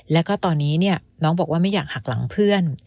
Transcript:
แล้วก็ตอนนี้เนี่ยน้องบอกว่าไม่อยากหักหลังเพื่อน